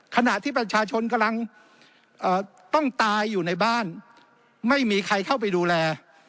ขณะที่ประชาชนกำลังต้องตายอยู่ในบ้านไม่มีใครเข้าไปดูแล